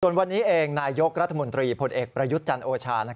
ส่วนวันนี้เองนายยกรัฐมนตรีพลเอกประยุทธ์จันทร์โอชา